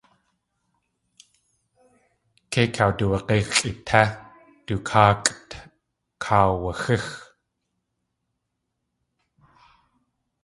Kei kawduwag̲ixʼi té du káakʼt kaawaxíx.